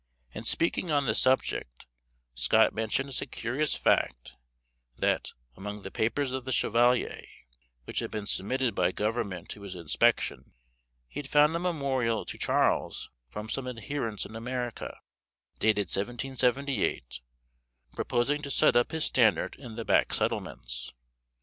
In speaking on the subject, Scott mentioned as a curious fact, that, among the papers of the "Chevalier," which had been submitted by government to his inspection, he had found a memorial to Charles from some adherents in America, dated 1778, proposing to set up his standard in the back settlements.